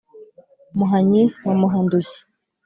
muhanyi wa muhandushyi